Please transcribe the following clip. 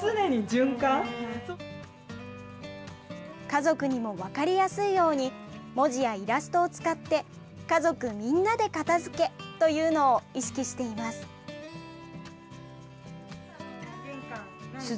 家族にも分かりやすいように文字やイラストを使って「家族みんなで片づけ」というのを意識しています。